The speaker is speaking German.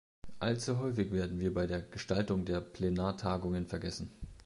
Allzu häufig werden wir bei der Gestaltung der Plenartagungen vergessen.